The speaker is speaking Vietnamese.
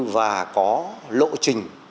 và có lộ trình